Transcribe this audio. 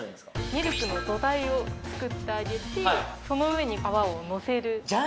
ミルクの土台を作ってあげてその上に泡をのせる